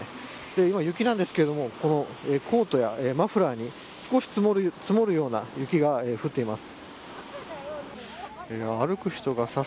今、雪なんですけどコートやマフラーに少し積もるような雪が降っています。